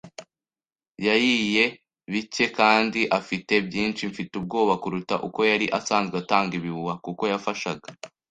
yariye bike kandi afite byinshi, mfite ubwoba, kuruta uko yari asanzwe atanga ibihuha, kuko yafashaga